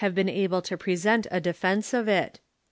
■ been able to present a defence of it.